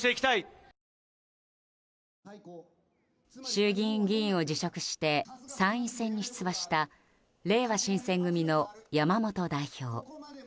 衆議院議員を辞職して参院選に出馬したれいわ新選組の山本代表。